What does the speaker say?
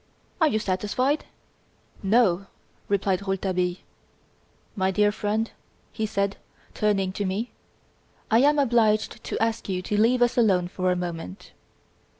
"Are you satisfied?" "No!" replied Rouletabille. "My dear friend," he said, turning to me, "I am obliged to ask you to leave us alone for a moment."